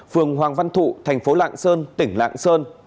phường hoàng văn thụ thành phố lạng sơn tỉnh lạng sơn